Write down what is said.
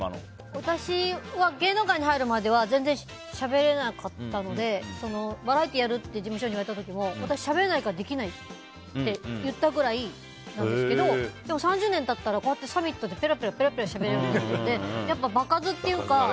私は芸能界に入るまでは全然しゃべれなかったのでバラエティーやるって事務所に言われた時も私、しゃべれないからできないって言ったぐらいなんですけどでも、３０年経ったらこうやってサミットでペラペラしゃべれるようになってて場数っていうか。